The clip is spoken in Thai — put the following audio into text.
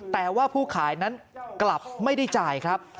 แต่ว่าผู้ขายนั้นกลับไม่ได้จ่ายครับ